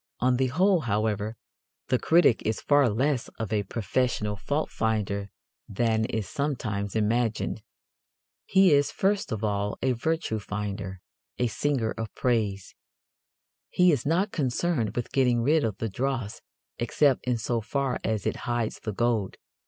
On the whole, however, the critic is far less of a professional faultfinder than is sometimes imagined. He is first of all a virtue finder, a singer of praise. He is not concerned with getting rid of the dross except in so far as it hides the gold.